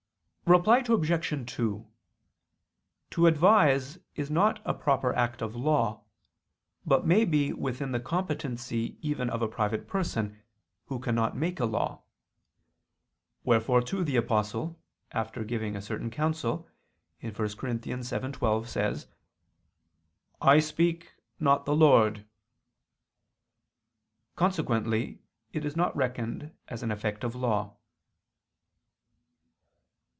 Reply Obj. 2: To advise is not a proper act of law, but may be within the competency even of a private person, who cannot make a law. Wherefore too the Apostle, after giving a certain counsel (1 Cor. 7:12) says: "I speak, not the Lord." Consequently it is not reckoned as an effect of law.